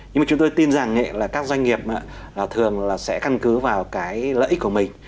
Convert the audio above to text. nhưng mà chúng tôi tin rằng là các doanh nghiệp thường là sẽ căn cứ vào cái lợi ích của mình